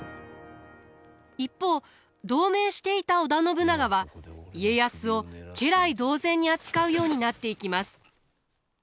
一方同盟していた織田信長は家康を家来同然に扱うようになっていきます。